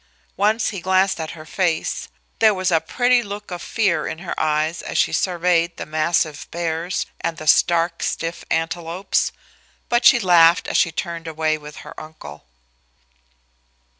Once he glanced at her face; there was a pretty look of fear in her eyes as she surveyed the massive bears and the stark, stiff antelopes. But she laughed as she turned away with her uncle.